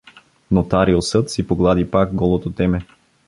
Нотариусът си поглади пак голото теме.